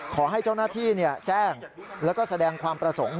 ขอให้เจ้าหน้าที่แจ้งแล้วก็แสดงความประสงค์